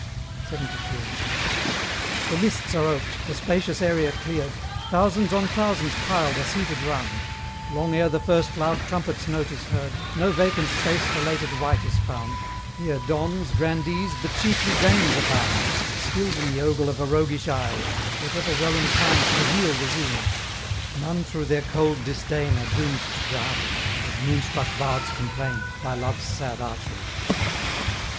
LXXII. The lists are oped, the spacious area cleared, Thousands on thousands piled are seated round; Long ere the first loud trumpet's note is heard, No vacant space for lated wight is found: Here dons, grandees, but chiefly dames abound, Skilled in the ogle of a roguish eye, Yet ever well inclined to heal the wound; None through their cold disdain are doomed to die, As moon struck bards complain, by Love's sad archery.